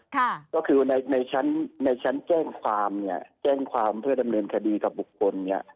ก็คือในชั้นแจ้งความเพื่อดำเนินคดีกับบุคคล